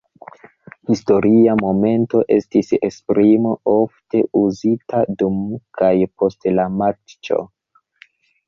"Historia momento" estis esprimo ofte uzita dum kaj post la matĉo.